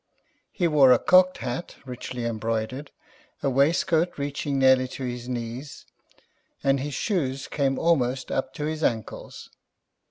He wore a cocked hat, richly embroidered, a waistcoat reaching nearly to his knees, and his shoes came almost up to his ancles.